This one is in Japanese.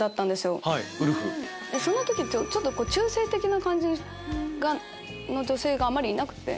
その時中性的な感じの女性があまりいなくて。